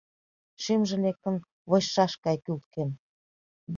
Шӱмжӧ лектын вочшаш гай кӱлткен.